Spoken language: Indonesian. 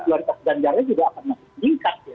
juga akan meningkat